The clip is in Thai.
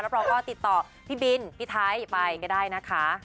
เราก็ติดต่อพี่บินพี่ไทยไปก็ได้นะคะ